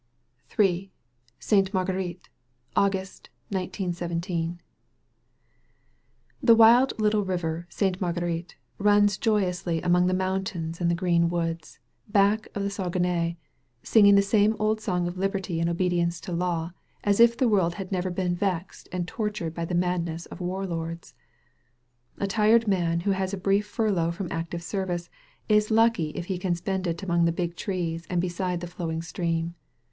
167 THE VALLEY OF VISION III BAINTE UABGXTEBITB Aogut, 1917 The wild little river SaitUe MarguSrite runs joy ously among the mountains and the green woods, back of the Saguenay, singing the same old song of liberty and obedience to law, as if the world had never been vexed and tortured by the madness of war lords. A tired man who has a brief furlough from active service is lucky if he can spend it among the big trees and beside a flowing stream.